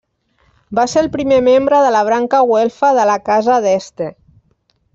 Va ser el primer membre de la branca güelfa de la casa d'Este.